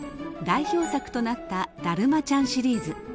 代表作となった「だるまちゃん」シリーズ。